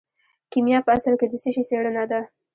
کیمیا په اصل کې د څه شي څیړنه ده.